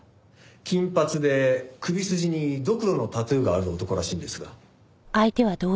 金髪で首筋にドクロのタトゥーがある男らしいんですが。